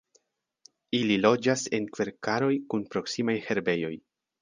Ili loĝas en kverkaroj kun proksimaj herbejoj.